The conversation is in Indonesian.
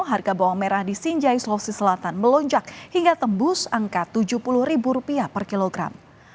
harga bawang merah di sinjai sulawesi selatan melonjak hingga tembus angka rp tujuh puluh per kilogram